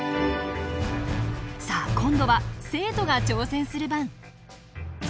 さあ今度は生徒が挑戦する番。